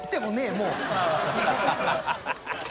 もう。